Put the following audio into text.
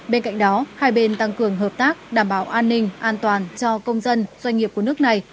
bên cạnh đó hai bên tăng cường hợp tác đảm bảo an ninh an toàn cho công dân doanh nghiệp của nước này